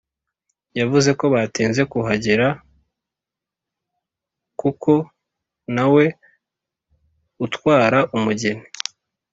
yavuze ko batinze kuhagerakuko ntawe utwara umugeni